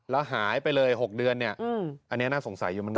แล้วหายไปเลย๖เดือนอันนี้น่าสงสัยอยู่มันกัน